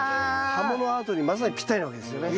葉ものアートにまさにぴったりなわけですよね。